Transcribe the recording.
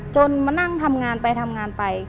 มานั่งทำงานไปทำงานไป